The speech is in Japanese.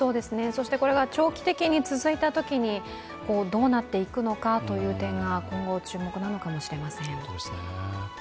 そしてこれは長期的に続いたときにどうなっていくのかという点に今後、注目なのかもしれません。